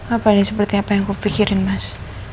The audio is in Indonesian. apa nih seperti apa yang kupikirin mas